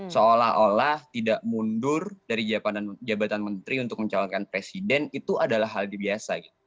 seolah olah tidak mundur dari jabatan menteri untuk mencalonkan presiden itu adalah hal yang biasa